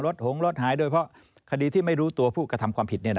หงรถหายโดยเพราะคดีที่ไม่รู้ตัวผู้กระทำความผิด